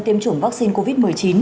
tiêm chủng vaccine covid một mươi chín